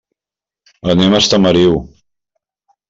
Anem a Estamariu.